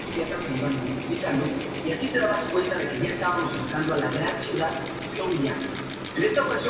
Ha contribuido a la literatura quechua con cuentos y una novela en quechua.